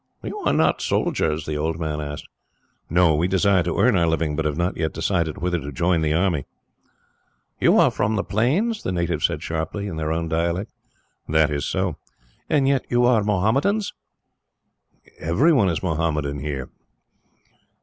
"You are not soldiers?" the old man asked. "No. We desire to earn our living, but have not yet decided whether to join the army." "You are from the plains?" the native said sharply, in their own dialect. "That is so," Dick replied. "And yet you are Mohammedans?" "Every one is Mohammedan here."